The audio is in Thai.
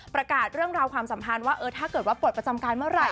ประกาศเรื่องราวความสัมพันธ์ว่าถ้าเกิดว่าป่วยประจำการเมื่อไหร่